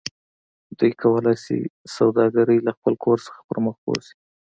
دوی کولی شي سوداګرۍ له خپل کور څخه پرمخ بوځي